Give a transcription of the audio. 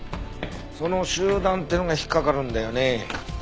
その「集団」ってのが引っかかるんだよね。